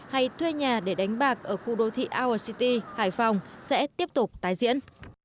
hay thuê nhà để đánh bạc ở khu đô thị our city hải phòng sẽ tiếp tục tái diễn